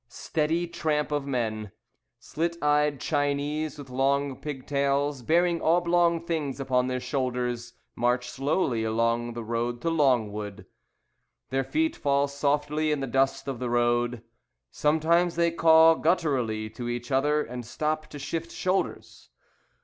Steady tramp of men. Slit eyed Chinese with long pigtails Bearing oblong things upon their shoulders March slowly along the road to Longwood. Their feet fall softly in the dust of the road; Sometimes they call gutturally to each other and stop to shift shoulders.